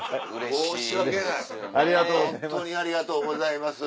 ホントにありがとうございます。